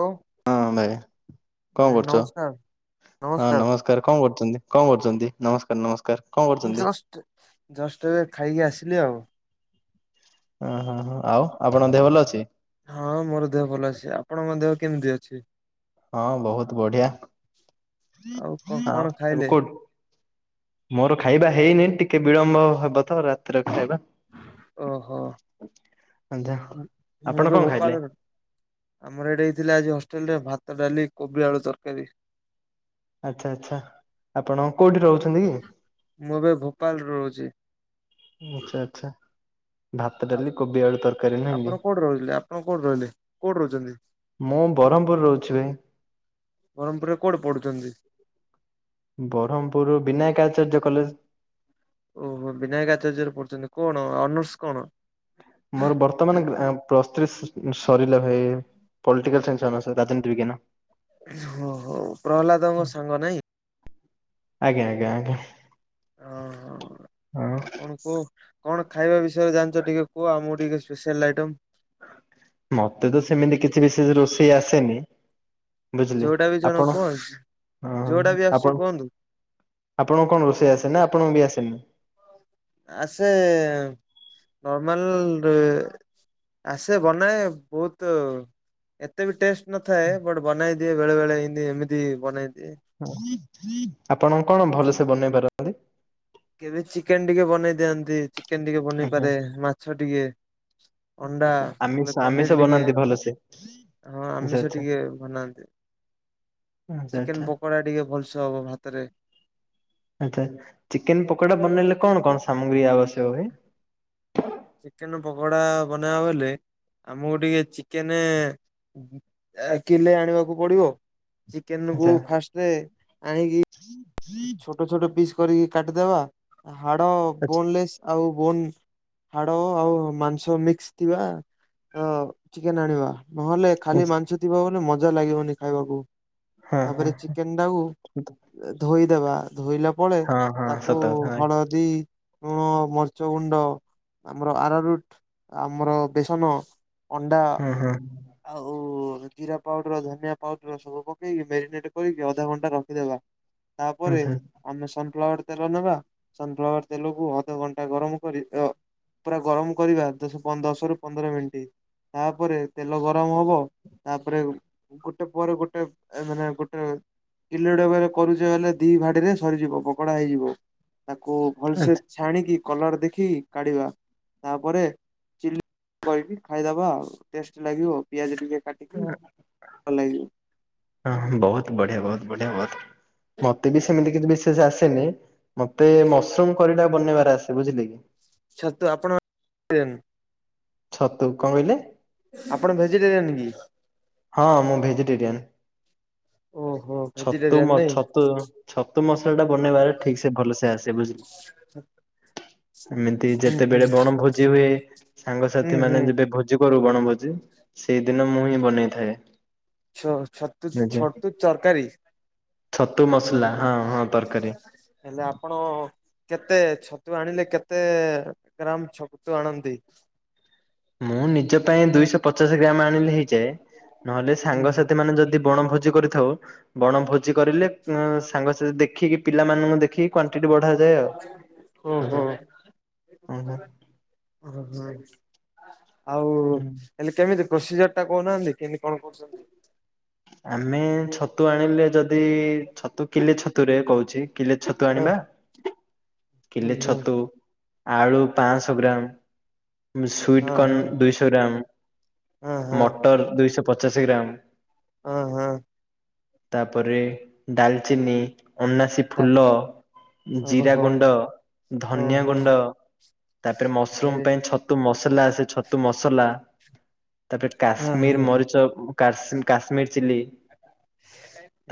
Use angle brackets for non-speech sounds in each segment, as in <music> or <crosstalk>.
ହଉ ହଁ ଭାଇ କଣ ଭାଇ କରୁଛ ନମସ୍କାର ହଁ ନମସ୍କାର ନମସ୍କାର କଣ କରୁଛନ୍ତି, କଣ କରୁଛନ୍ତି ନମସ୍କାର, ନମସ୍କାର। କଣ କରୁଛନ୍ତି? ଜଷ୍ଟ ଜଷ୍ଟ ଏବେ ଖାଇକି ଆସିଲି ଆଉ। ଓଁ ହଁ ହଁ ଆଉ ଆପଣଙ୍କ ଦେହ ଭଲ ଅଛି? ହଁ ମୋର ଦେହ ଭଲ ଅଛି, ଆପଣଙ୍କ ଦେହ କେମିତି ଅଛି? ହଁ ବହୁତ ବଢ଼ିଆ, ଆଉ କ ଆ କଣ ଏବେ ଖାଇଲେ କୋଉଠି? ମୋର ଖାଇବା ହେଇନି ଟିକେ ବିଳମ୍ବ ହବ ତ ରାତ୍ର ଖାଇବା। ଓହୋ, ଆଛା ମୁ ଆପଣ ଏବେ କଣ ଖାଇଲେ? ଭୋପାଳରେ। ଆମର ଏଇଟା ଏଇ ଥିଲା ଆଜି ହୋଷ୍ଟେଲ ରେ ଭାତ, ଡ଼ାଲି, କୋବି, ଆଳୁ ତରକାରୀ। ଆଚ୍ଛା, ଆଚ୍ଛା, ଆପଣ କୋଉଠି ରହୁଛନ୍ତି କି? ମୁଁ ଏବେ ଭୋପାଳରୁ ରହୁଛି। ଆଚ୍ଛା, ଆଚ୍ଛା। ଭାତ, ଆ ଡ଼ାଲି, କୋବି, ଆଳୁ ତରକାରୀ ଆପଣ ନାଇକି। କୋଉଠି ରହୁଥିଲେ ଆପଣ କୋଉଠି ରହିଲେ? କୋଉଠି ରହୁଛନ୍ତି ମୁଁ ବ୍ରହ୍ମପୁର ରହୁଛି ଭାଇ। ବ୍ରହ୍ମପୁରରେ କୋଉଠି ପଢୁଛନ୍ତି? ବ୍ରହ୍ମପୁରରୁ ବିନାୟକ ଆଚାର୍ଯ୍ୟ କଲେଜ। ଓହୋ, ବିନାୟକ ଆଚାର୍ଯ୍ୟରେ ପଢ଼ୁଛନ୍ତି କଣ ଅନର୍ସ କଣ? ମୋର ବର୍ତ୍ତମାନ ଗ୍ରା ପ୍ଲସଥ୍ରି ସରିଲା ଭାଇ ପଟିକାଲନ୍ ଶାଇନ୍ସି ଅନର୍ସ ରାଜନୀତି ବିଜ୍ଞାନ। ହୋ ହୋଉ ପ୍ରହ୍ଲାଦଙ୍କ ସାଙ୍ଗ ନାଇଁ? ଆଜ୍ଞା ଆଜ୍ଞା ଆଜ୍ଞା। ହଁ ହଁ ଆପଣଙ୍କୁ କଣ ଖାଇବା ବିଷୟରେ ଜାଣିଚ ଟିକେ କୁହ ଆମକୁ ଟିକେ ସ୍ପେଶାଲ୍ ଆଇଟମ୍। ମତେ ତ ସେମିତି କିଛି ବିଶେଷ ରୋଷେଇ ଆସେନି। ବୁଝିଲେ ଯୋଉଟା ବି ଜଣ ଆପଣ କୁହ ହଁ ଯୋଉଟା ବି ଆସୁଛି ଆପଣ କୁହନ୍ତୁ ଆପଣଙ୍କୁ କଣ ରୋଷେଇ ଆସେ ନା ଆପଣଙ୍କୁ ବି ଆସେନି? ଆସେ ନର୍ମାଲେରେ ଆସେ ବନାଏ ବହୁତ ଏତେ ବି ଟେଷ୍ଟ ନଥାଏ ବଟ୍ ବନେଇ ଦିଏ ବେଳେ ବେଳେ ଏମିତି ଏମିତି ବନେଇ ଦିଏ। ଆପଣଙ୍କ କଣ ଭଲସେ ବନେଇ ପାରନ୍ତି? କେବେ ଚିକେନ ଟିକେ ବନେଇ ଦିଅନ୍ତି, ଚିକେନ ଟିକେ ବନେଇ ଆଚ୍ଛା ପାରେ ମାଛ ଟିକେ। ଅଣ୍ଡା ଆଚ୍ଛା ଆମିଷ ନହେଲେ ଆମିଷ ପନିର ଟିକେ ବନାନ୍ତି ଭଲସେ। ହଁ ଆଚ୍ଛା ଆମିଷ ଆଚ୍ଛା ଟିକେ ବନାନ୍ତି। ଆଚ୍ଛା ଚିକେନ ଆଚ୍ଛା ପକୋଡା ଟିକେ ଭଲସେ ହବ ଭାତରେ। ଆଚ୍ଛା ଚିକେନ ପକୋଡା ବନେଇଲେ କଣ କଣ ସାମଗ୍ରୀ ଆବଶ୍ୟକ ହୁଏ? ଚିକେନ ପକୋଡା ବନାଇବାକୁ ହେଲେ ଆମକୁ ଟିକେ ଚିକେନ ଏ କିଲେ ଆଣିବାକୁ ପଡିବ ଚିକେନ ଆଚ୍ଛା କୁ ଫାଷ୍ଟ ଆଣିକି <unintelligible> ଛୋଟ ଛୋଟ ପିସ୍ କରିକି କାଟିଦବା ହାଡ ଆଚ୍ଛା ବୋନଲେସ୍ ଆଉ ବୋନ ହାଡ଼ ଓ ଆଉ ମାଂସ ମିକ୍ସ ଥିବା ଅ ଚିକେନ ଆଣିବା। ନହେଲେ ଖାଲି ମାଂସ ଥିବ ବୋଲେ ମଜା ଲାଗିବନି ଖାଇବାକୁ। ହଁ ହଁ। ଧୋଇଦବା ଧୋଇଲା ପଳେ ହଁ ହଁ ତାକୁ ସତ କଥା ହଳ ଦୀ ଲୁଣ ମର୍ଚ ଗୁଣ୍ଡ ଆମର ଆରାରୁଟ ଆମର ବେସନ ଅଣ୍ଡା ହଁ ହଁ। ଆଉ ଜିରା ପାଉଡର ଧନିଆ ପାଉଡର ସବୁ ପକେଇକି ମ୍ୟାରିନେଟ୍ କରିକି ଅଧା ଘଣ୍ଟା ରଖିଦବା। ତା ପରେ ଆଚ୍ଛା ଆମେ ସନଫ୍ଲାୱାର ତେଲ ନେବା ସନଫ୍ଲାୱାର ତେଲକୁ ଅଧଘଣ୍ଟା ଗରମ କରି ଏ ପୁରା ଗରମ କରିବା ଦଶରୁ ପନ୍ଦର ଦଶରୁ ପନ୍ଦର ମିନିଟ୍ ତାପରେ ତେଲ ଗରମ ହବ ତାପରେ ଗୋଟେ ପରେ ଗୋଟେ ମାନେ ଗୋଟେ କିଲୋଟେ କରୁଛେ ହେଲେ ଦି ଭାଡିରେ ସରିଯିବ ପକୋଡା ହେଇଯିବ ତାକୁ ଭଲସେ ଆଚ୍ଛା ଛାଣିକି କଲର୍ ଦେଖିକି କାଢ଼ିବା। ତାପରେ ଚିଲି କରିକି ଖାଇଦବା ଆଉ ଟେଷ୍ଟ ଲାଗିବ ପିଆଜ ଟିକେ କାଟିକି ଭଲ ଲାଗିବ। ହଁ ବହୁତ ବଢିଆ ବହୁତ ବଢିଆ ବହୁତ ମତେ ବି ସେମିତି କିଛି ମେସେଜ ଆସେନି। ମତେ ମସରୁମ କରିଟା ବନେଇବାର ଆସେ ବୁଝିଲେ କି? ଛତୁ ଆପଣ ଛତୁ କଣ କହିଲେ? ଆପଣ ଭେଜିଟେରିଆନ କି? ହଁ ମୁଁ ଭେଜିଟେରିଆନ। ଓହୋ। ଛତୁ ଭେଜିଟେରିଆନ ନାଇଁ ଛତୁ ଛତୁ ମସଲାଟା ବନେଇବାରେ ଠିକ ସେ ଭଲସ ଆସେ ବୁଝିଲେ। ଏମିତି ହୁଁ ହୁଁ ଯେତେବେଳେ ବଣଭୋଜି ହୁଏ ହୁଁ ସାଙ୍ଗସାଥି ମାନେ ହୁଁ ଯେବେ ଭୋ ଜି କରୁ ବଣ ଭୋଜି ସେଇ ଦିନ ମୁଁ ହିଁ ବନେଇଥାଏ। ଛ ଛ ଛତୁ ନିଜେ ଛତୁ ତରକାରୀ। ଛତୁ ମସଲା। ହଁ ହଁ ତରକାରୀ। ହେଲେ ଆପଣ? କେତେ ଛତୁ ଆଣିଲେ କେତେ ଗ୍ରାମ ଛତୁ ଆଣନ୍ତି? ମୁଁ ନିଜ ପାଇଁ ଦୁଇଶ ପଚାଶ ଗ୍ରାମ ଆଣିଲି। ଯେ, ନହେଲେ ହୁଁ ସାଙ୍ଗସାଥି ମାନେ ଯଦି ବଣ ଭୋଜି କରି ଥଉ, ବଣ ଭୋଜି କରିଲେ ଉଁ ସାଙ୍ଗସାଥି ଦେଖିକି ପିଲାମାନଙ୍କୁ ଦେଖି କ୍ୱାଣ୍ଟିଟି ବଢାଉଥାଉ। ଓ ହୋ। ହୁଁ ଓହୋ ଆଉ ହେଲେ କେମିତି, ପ୍ରୋସିଜର ଟା କହୁନାହାନ୍ତି? କେନ୍ତି କଣ କରୁଛନ୍ତି? ଆମେ ଛତୁ ଆଣିଲେ ଯଦି, ଛତୁ କିଲେ ଛତୁ ରେ କହୁଛି? କିଲେ ଛତୁ ହଁ ଆଣିବା, ହୁଁ କିଲେ ହୁଁ ଛତୁ। ଆଳୁ ପାଂଶ ଗ୍ରାମ, ମିସଶୁଇଟ ହଁ କର୍ନ ହଁ ଦୁଇଶହ ଗ୍ରାମ। ହଁ ମଟର, ଦୁଇଶହ ପଚାଶ ଗ୍ରାମ। ଆଁ ହାଁ ତାପରେ ଡାଲ୍ ଚିନି ଅନାସୀ ତା ଫୁଲ, ଜିରା ଓହୋ ଗୁଣ୍ଡ, ଧନିଆ ଓହୋ ଗୁଣ୍ଡ ତାପରେ ମସରୁମ ଭେରି ପାଇଁ ଛତୁ ମସଲା ଆସେ ଛତୁ ମସଲା। ତାଟା ହଁ କାଶ୍ମୀର ହଁ ମରିଚ, କା କାଶ୍ମୀ କାଶ୍ମୀର ଚିଲି।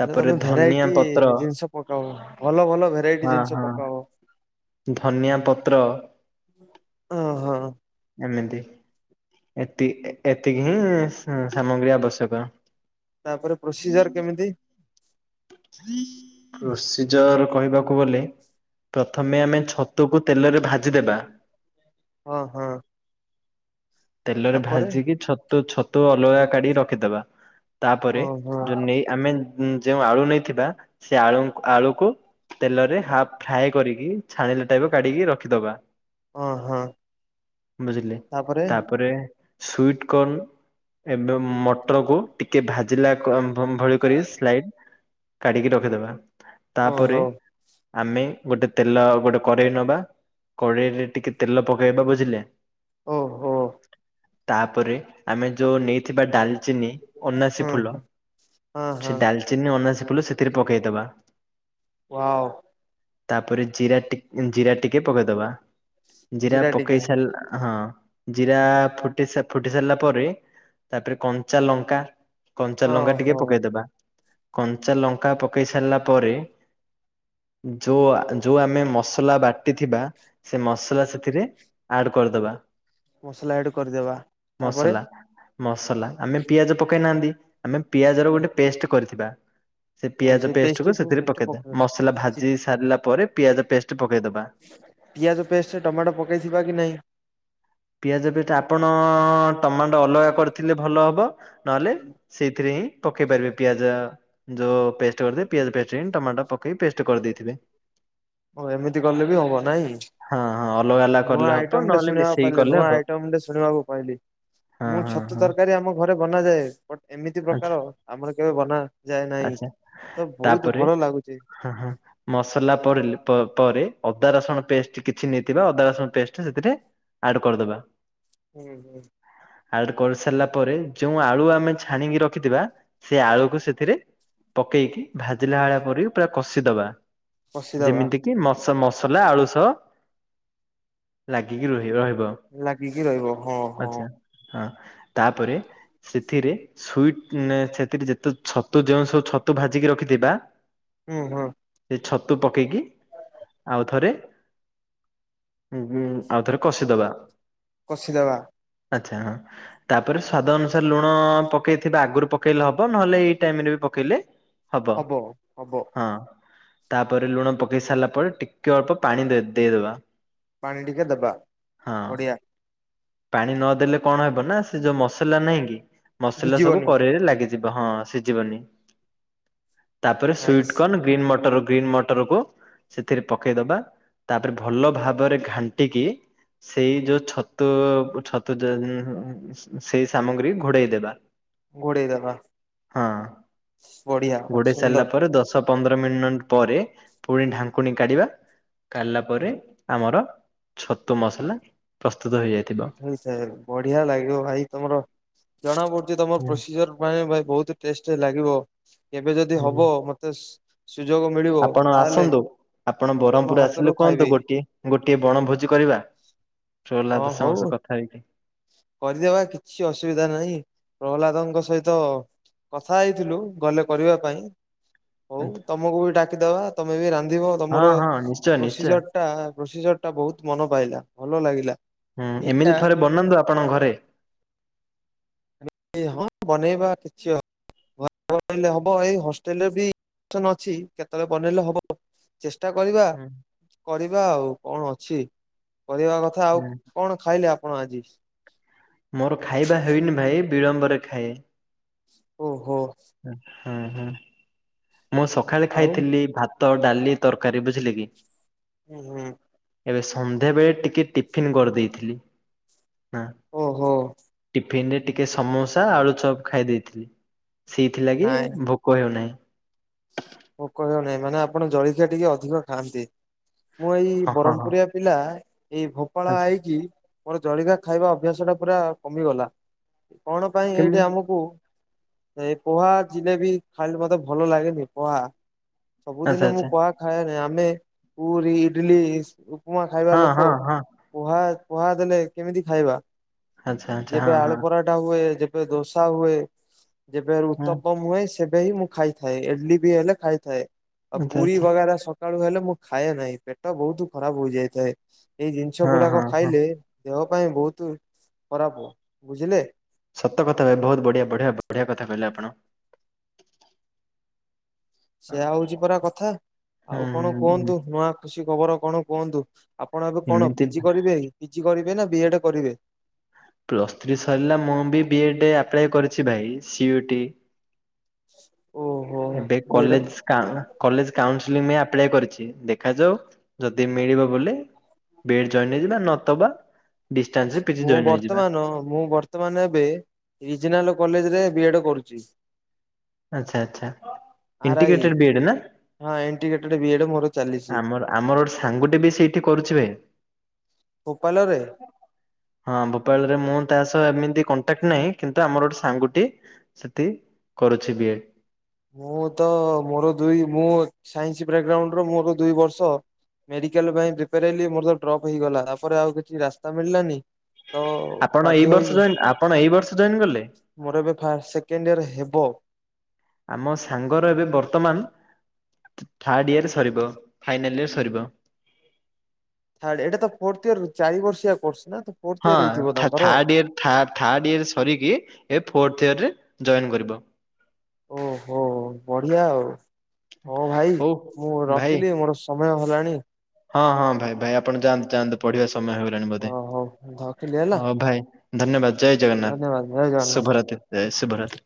ହେଲେ ତମେ ଧନିଆ ଭେରାଇଟି ପତ୍ର ଜିନିଷ ପକାଅ। ଭଲ ଭଲ ଭେରାଇଟି ହଁ ଜିନିଷ ହଁ ପକାଅ। ଧନିଆ ପତ୍ର। ଅହ। ଏମିତି ଏତି ଏତିକି ହିଁ ସାମଗ୍ରୀ ଆବଶ୍ୟକ। ତାପରେ ପ୍ରୋସିଜର କେମିତି? କୃଷିଜର କହିବାକୁ ଗଲେ ପ୍ରଥମେ ଆମେ ଛତୁକୁ ତେଲରେ ଭାଜିଦେବା। ଓହୋ। ତେଲରେ ଭାଜିକି ଛତୁ ଛତୁ ଅଲଗା କାଢିକି ରଖିଦବା। ତାପରେ ଓହୋ ଯୋଉ ନେଇ ଆମେ ଯେଉଁ ଆଳୁ ନେଇଥିବା ସେ ଆଳୁ ଆଳୁକୁ ତେଲରେ ହାପ୍ ଫ୍ରାଏ କରିକି ଛାଣିଲା ଟାଇପ୍ କାଢିକି ରଖିଦବା। ଅହଁ। ବୁଝିଲେ। ତାପରେ ସୁଇଟ୍ କର୍ଣ ଏବଂ ମଟରକୁ ଟିକେ ଭା ଜିଲା କମ୍ ଭମ୍ ଭଳିକରି ସ୍ଲାଇନ୍ କାଢିକି ରଖିଦବା। ତାପରେ ଓହୋ ଆମେ ଗୋଟେ ତେଲ ଗୋଟେ କଡ଼େଇ ନବା କଡ଼େଇରେ ଟିକେ ତେଲ ପକେବା ବୁଝିଲେ। ଓହୋ। ତାପରେ ଆମେ ଯୋଉ ନେଇଥିବା ଡାଲ୍ ଚିନି ଅନାସୀ ହୁଁ ଫୁଲ, ହୁଁ ହଁ ହଁ ସେ ଡାଲ୍ ଚିନି ଅନାସୀ ଫୁଲ ସେଥିରେ ପକେଇଦବା। ୱାଓ। ତାପରେ ଜିରା ଟି ଜିରା ଟିକେ ପକେଇଦବା। ଜିରା ପକେଇ ସାରିଲା ହଁ। ଜିରା ଫୁଟିଶା ଫୁଟି ସାରିଲା ପରେ ତାପରେ କଞ୍ଚା ଲଙ୍କା କଞ୍ଚା ହଁ ଲଙ୍କା ଟିକେ ହୋ ପକେଇଦବା। କଞ୍ଚା ଲଙ୍କା ପକେଇ ସାରିଲା ପରେ ଯୋଉ ଆ, ଯୋଉ ଆମେ ମସଲା ବାଟିଥିବା ସେ ମସଲା ସେଥିରେ ଆଡ୍ କରିଦବା। ମସଲା ଆଡ୍ କରିଦେବା। ତାପରେ ମସଲା ମସଲା ଆମେ ପିଆଜ ପକେଇ ନାହାନ୍ତି। ଆମେ ପିଆଜ ର ଗୋଟେ ପେଷ୍ଟ କରିଥିବା। ସେ ଆଉ ପିଆଜ ପେଷ୍ଟ କୁ ସେଥିରେ ପେଷ୍ଟ ପକେଇଦେ ପକେଇବା ମସଲା ସେ ଭାଜି ସାରିଲା ପରେ ପିଆଜ ପେଷ୍ଟ ପକେଇଦବା। ପିଆଜ ପେଷ୍ଟ ଟମାଟୋ ପକେଇଥିବା କି ନାହିଁ? ପିଆଜ ଦୁଇଟା ଆପଣ ଟମାଟୋ ଅଲଗା କରିଥିଲେ ଭଲ ହବ। ନଲେ ସେଇଥିରେ ହିଁ ପକେଇ ପାରିବେ ପିଆଜ। ଯୋଉ ପେଷ୍ଟ କରିଦେ ପିଆଜ ପେଷ୍ଟ ହିଁ ଟମାଟୋ ପକେଇ ପେଷ୍ଟ କରିଦେଇଥିବେ। ଓ ଏମିତି କଲେ ବି ହବ ନାଇଁ। ହଁ ହଁ ଅଲଗା ନୂଆ କଲେ ହବ ଆଇଟମ୍ ଟେ ନହେଲେ ଶୁଣିବାକୁ ମିଶେଇକି ପାରିଲେନି। କଲେ ନୂଆ ହବ ଆଇଟମ୍ ଟେ ଶୁଣିବାକୁ ପାଇଲି। ହଁ ମୁଁ ହଁ ଛତୁ ହଁ ତରକାରୀ ଆମ ଘରେ ବନାଯାଏ। ଵଟ୍ ଏମିତି ଆଚ୍ଛା ପ୍ରକାର ଆମର କେବେ ବନା ଯାଏ ନାହିଁ। ଆଚ୍ଛା ତ ବହୁତ ତାପରେ ଭଲ ଲାଗୁଚି। ହଁ ହଁ। ମସଲା ପରିଲେ ପରେ ଅଦା ରସୁଣ ପେଷ୍ଟ କିଛି ନେଇଥିବା ଅଦା ରସୁଣ ପେଷ୍ଟ ସେଥିରେ ଆଡ୍‌ କରିଦବା। ହୁଁ ହୁଁ। ଆଡ଼ କରି ସାରିଲା ପରେ ଯୋଉ ଆଳୁ ଆମେ ଛାଣିକି ରଖିଥିବା ସେ ଆଳୁକୁ ସେଥିରେ ପକେଇକି ଭାଜିଲା ବଳିଆ ପରେ ପୁରା କଷିଦବା କଷିଦବା ଯେମିତି କି ମ ମସଲା ଆଳୁସ ଲାଗିକି ରହି ରହିବ। ଲାଗିକି ରହିବ ହଁ ହଁ। ଆଚ୍ଛା। ହଁ ତାପରେ ସେଥିରେ ସୁଇଟ ସେଥିରେ, ଯେତେ ଛ ତ ଯୋଉ ସବୁ ଛତୁ ଭାଜିକି ରଖିଥିବା ହୁଁ- ହୁଁ। ସେ ଛତୁ ପକେଇକି, ଆଉ ଥରେ ହୁଁ- ହୁଁ ଆଉଥରେ କଷିଦବା। କଷିଦବା। ଆଚ୍ଛା ହଁ ତାପରେ ସ୍ଵାଦ ଅନୁସାରେ ଲୁଣ ପକେଇଥିବା, ଆଗରୁ ପକେଇଲେ ହବ ନହେଲେ ଏଇ ଟାଇମରେ ବି ପକେଇଲେ ହବ ହଁ। ତାପରେ ଲୁଣ ପକେଇ ସାରିଲା ପରେ, ଟିକେ ଅଳ୍ପ ପାଣି ଦେ ଦେଇଦବା। ପାଣି ଟିକେ ଦବା ହଁ। ବଡ଼ିିଆ। ପାଣି ନଦେଲେ କଣ ହବ ନା, ସେ ଯୋଉ ମସଲା ନାହିଁ କି ମସଲା ସବୁ ଭିଜିବନି କରେଇରେ ଲାଗି ଯିବ ହଁ ସିଝିବନି ତାପରେ ନାଇସ୍ ସୁଇଟ୍ କନ୍ ଗ୍ରୀନ୍ ମଟର ଗ୍ରୀନ୍ ମଟରକୁ ସେଥିରେ ପକେଇଦବା, ତାପରେ ଭଲ ଭାବରେ ଘାଣ୍ଟିକି ସେଇ ଯୋଉ ଛତୁ ଛତୁ ସେଇ ସାମଗ୍ରୀ ଘୋଡେଇ ଦେବା। ଘୋଡ଼େଇ ଦେବା। ହଁ ଅତି ଘୋଡେଇ ସାରିଲା ସୁନ୍ଦର ପରେ ଦଶ ପନ୍ଦର ମିନିଟ ପରେ ପୁଣି ଢାଙ୍କୁଣୀ କାଢିବା। କାଢିଲା ପରେ, ଆମର ଛତୁ ମସଲା ପ୍ରସ୍ତୁତ ହେଇଯାଇ <unintelligible> ବଢିଆ ଲାଗିବ ଭାଇ, ତମର ଜଣା ପଡୁଛି ତମର ହୁଁ ପ୍ରୋସିଜର ଭାଇ ଭାଇ ବହୁତ ଟେଷ୍ଟ ଲାଗିବ କେବେ ଯଦି ହୁଁ। ହବ, ମତେ ସୁ ସୁଯୋଗ ମିଳିବ ଆପଣ ତାହେଲେ ଆସନ୍ତୁ, ଆପଣ ତମ ବ୍ରହ୍ମପୁର ହାତରୁ ଆସିଲେ କୁହନ୍ତୁ ଖାଇବି ଗୋଟିଏ ଗୋଟିଏ ବଣଭୋଜି କରିବା, ହଁ ଚୋଲାଦ ସମସ୍ତ ହଉ କଥା ହେଇକି। କରିଦେବା କିଛି ଅସୁବିଧା ନାହିଁ, ପ୍ରହ୍ଲାଦଙ୍କ ସହିତ କଥା ହେଇଥିଲୁ ଗଲେ କରିବା ପାଇଁ ହଉ ଆଜ୍ଞା। ତମକୁ ବି ଡାକିଦବା, ତମେ ବି ରାନ୍ଧିବ ହଁ ତମର ହଁ ନିଶ୍ଚୟ ନିଶ୍ଚୟ ପ୍ରୋସିଜର <unintelligible> ପ୍ରୋସିଜରଟା ବହୁତ ମନ ପାଇଲା ଭଲ ଲାଗିଲା। ହୁଁ ଏମିତି ଏଇଟା ଥରେ ବନାନ୍ତୁ ଆପଣଙ୍କ ଘରେ? <unintelligible> ହଁ ବନେଇବା କିଛି ଅ ବନେଇଲେ ହବ, ଏଇ ହଷ୍ଟେଲରେ ବି ଅପ୍ସନ୍ ଅଛି କେତେବେଳେ ବନେଇଲେ ହବ। ଚେଷ୍ଟା କରିବା, ହୁଁ କରିବା ଆଉ କଣ ଅଛି। କରିବା କଥା ଆଉ, ହୁଁ କଣ ଖାଇଲେ ଆପଣ ଆଜି? ମୋର ଖାଇବା ହୋଇନି ଭାଇ, ବିଳମ୍ବରେ ଖାଏ। ଓ ହୋ। ହୁଁ- ହୁଁ ମୁଁ ସକାଳେ ଆଉ ଖାଇଥିଲି ଭା ତ, ଡାଲି, ତରକାରୀ। ବୁଝିଲେ କି? ହୁଁ- ହୁଁ। ଏବେ ସନ୍ଧ୍ୟାବେଳେ ଟିକେ ଟିଫିନ୍ କରିଦେଇଥିଲି। ହଁ ଓହୋ ଟିଫିନରେ ଟିକେ ସମୋସା, ଆଳୁଚପ ଖାଇ ଦେଇଥିଲି। ସେଇଥିଲାଗି ନାଇଁ ଭୋକ ହେଉନାହିଁ। ଭୋକ ହେଉ ନାହିଁ, ମାନେ ଆପଣ ଜଳଖିଆ ଟିକେ ଅଧିକ ଖାଆନ୍ତି। ମୁଁ ଏଇ ହଁ ହଁ ହଁ ବରମପୁରିଆ ପିଲା ଏଇ ଭୋପାଳ ଆଚ୍ଛା ଆଇକି, ମୋର ଜଳିଖିଆ ଖାଇବା ଅଭ୍ୟାସଟା ପୁରା କମିଗଲା। କଣ ପାଇଁ ଏଇଠି କେମିତି ଆମକୁ ସେ ପୋହା ଜିଲେପି ଖାଇଲେ ମତେ ଭଲ ଲାଗେନି, ପୋହା ଆଚ୍ଛା ସବୁଦିନେ ମୁଁ ଆଚ୍ଛା କୁହା ଖାଏନି ଆମେ ପୁରୀ ଇଡଲି ଏଇସବୁ ଉପମା ଖାଇବା ହଁ ଲୋକ ହଁ ହଁ ପୋହା ପୋହା ଦେଲେ କେମିତି ଖାଇବା। ଆଚ୍ଛା ଆଚ୍ଛା ହଁ ଯେବେ ହଁ ଆଳୁ ପରଠା ହୁଏ। ଯେବେ ଦୋସା ହୁଏ। ଯେବେ ହଁ ଉତ୍ତପମ ହୁଏ ସେବେ ହିଁ ମୁଁ ଖାଇଥାଏ, ଇଡ୍ଲି ବି ହେଲେ ଖାଇଥାଏ। ଆଉ ଆଚ୍ଛା ପୁରୀ ଆଚ୍ଛା ବଗରା ସକାଳୁ ହେଲେ ମୁଁ ଖାଏ ନାହିଁ, ପେଟ ବୋହୁତ୍ ଖରାପ ହେଇଯାଇଥାଏ। ଏଇ ଜିନିଷ ହଁ ଗୁଡାକ ହଁ ହଁ ଖାଇଲେ ଦେହ ପାଇଁ ବୋହୁତୁ ଖରାପ ବୁଝିଲେ। ସତ କଥା ବୋହୁତ୍ ବଢିଆ ବଢିଆ ବଢିଆ କଥା କହିଲେ ଆପଣ। ସେୟଆ ହଉଛି ପରା କଥା ହୁଁ ଆଉ କଣ ହୁଁ କୁହନ୍ତୁ ନୂଆ ଖୁସି ଖବର କଣ କୁହନ୍ତୁ। ଆପଣ ଏବେ କଣ ଏମିତି ପିଜି କରିବେ ପିଜି କରିବେ ନା ବି ଏ ଡେ କରିବେ? ପ୍ଲସ୍ ଥ୍ରୀ ସରିଲା ମୁଁ ବି ବି ଏ ଡେ ଆପ୍ଲାଏ କରିଛି ଭାଇ ସି ୟୁଟି ଓ। ଏବେ କଲେଜ୍ କାଁ କଲେଜ୍ କାଉସଲିଙ୍ଗ ରେ ଆପ୍ଲୟ କରିଛି ଦେଖାଯାଉ ଯଦି ମିଳିବ ବୋଲେ। ବେଡ ଜଏନ୍ଇଂ ନା ନତବା ଡିଷ୍ଟାନ୍ସ ରେ ପିଜି ମୁଁ ଜଏନ୍ ହେଇଯିବା ବର୍ତ୍ତମାନ ମୁଁ ବର୍ତ୍ତ ବର୍ତ୍ତ ଏବେ ରିଜନାଣ୍ଡ କଲେଜରେ ବି ଏଡ୍ କରୁଛି। ଆଚ୍ଛା ଆଚ୍ଛା R I integrated B Ed ନା? ହଁ ଇଣ୍ଟିଗେଟେଡଡ୍ ବି ଏଡ୍ ମୋର ଚାଲିଛି। ଆମର ଆମର ସାଙ୍ଗଟେ ବି ସେଇଠି କରୁଛି ଭାଇ। ଉପାଲରେ? ହଁ ଭୋପାଳରେ ମୁଁ ତା ସହ ଏମିତି କଣ୍ଟାକ୍ଟ ନାହିଁ କିନ୍ତୁ ଆମର ଗୋଟେ ସାଙ୍ଗଟେ - ସେଠି କରୁଛି ବି ଏ୍ ମୁଁ ତ ମୋର ଦୁଇ ମୁଁ ସାଇନ୍ସ ବ୍ୟାଗଗ୍ରାଉଣ୍ଡ ର ମୋର ଦୁଇ ବର୍ଷ ମେଡିକାଲ ପାଇଁ ପ୍ରିପ୍ରେୟାର ହେଲି ମୋର ତ ଡ୍ରପ୍ ହେଇଗଲା, ତାପରେ ଆଉ କିଛି ରାସ୍ତା ମିଳିଲାନି। ତ ଆପଣ ଏଇ ବାଧ୍ୟ ହୋଇ ବର୍ଷ ଜଏନ୍ ଆପଣ ଏଇ ବର୍ଷ ଜଏନ୍ କଲେ? ମୋର ଏବେ ଫାଷ୍ଟ ସେକେଣ୍ଡ ଇୟର ହେବ। ଆମ ସାଙ୍ଗର ଏବେ ବର୍ତ୍ତମାନ ଥାର୍ଡ ଇୟର ସରିବ ଫାଇନାଲ ଇୟର ସରିବ। ଥାର୍ଡ ଏଟା ତ ଫୋର୍ଥ ଇୟର ଚାରି ବର୍ଷିଆ କୋର୍ସ ନା? ଫୋର୍ଥ ହଁ ଇୟର ହେଇଥିବ ଥା- ତାଙ୍କର ଥାର୍ଡ ଇୟର ଥାର୍ଡ ଇୟର ସରିକି ଏବେ ଫୋର୍ଥ ଇୟରରେ ଜଏନ୍ କରିବ। ଓହୋ ବଢିଆ ଆଉ। ହୋଉ ଭାଇ ହଉ ମୁଁ ଭାଇ ରଖିଲି ମୋର ସମୟ ହେଲାଣି ହଁ ହଁ ଭାଇ ଭାଇ ଆପଣ ଯାଆନ୍ତୁ ଯାଆନ୍ତୁ ପଢିବା ସମୟ ହେଇଗଲାଣି ବୋଧେ, ହ ହଉ ରଖିଲି ହେଲା ହଉ ଭାଇ। ଧନ୍ୟବାଦ ଜୟ ଜଗନ୍ନାଥ, ଧନ୍ୟବାଦ ଜୟ ଜଗନ୍ନାଥ। ଶୁଭରାତ୍ରୀ ଜୟ ଶୁଭରାତ୍ରୀ।